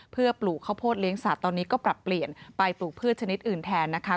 เพื่อปลูกข้าวโพดเลี้ยงสัตว์ตอนนี้ก็ปรับเปลี่ยนไปปลูกพืชชนิดอื่นแทนนะคะ